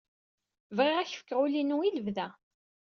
Bɣiɣ ad ak-fkeɣ ul-inu i lebda.